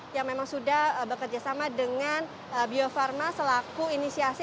yang memang sudah bekerjasama dengan biofarma selaku inisiasi